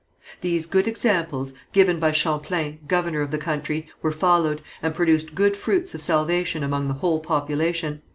These good examples, given by Champlain, governor of the country, were followed, and produced good fruits of salvation among the whole population.